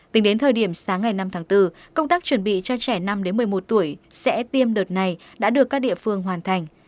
tính đến thời điểm sáng ngày năm tháng bốn công tác chuẩn bị cho trẻ năm một mươi một tuổi sẽ tiêm đợt này đã được các địa phương hoàn thành